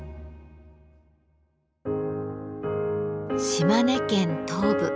島根県東部